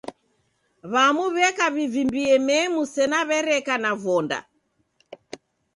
W'amu w'eka w'ivimbie memu sena w'ereka na vonda.